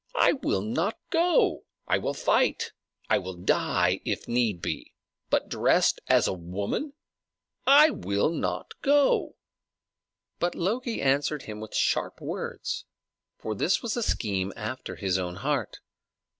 I will not go! I will fight! I will die, if need be! But dressed as a woman I will not go!" But Loki answered him with sharp words, for this was a scheme after his own heart.